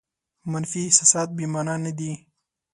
منفي احساسات بې مانا نه دي.